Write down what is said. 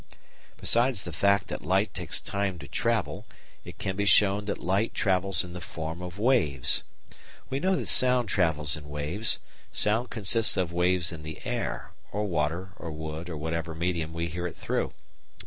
Besides the fact that light takes time to travel, it can be shown that light travels in the form of waves. We know that sound travels in waves; sound consists of waves in the air, or water or wood or whatever medium we hear it through.